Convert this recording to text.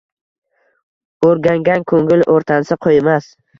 O‘rgangan ko‘ngil o‘rtansa qo‘ymas